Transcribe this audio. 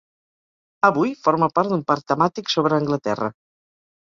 Avui, forma part d'un parc temàtic sobre Anglaterra.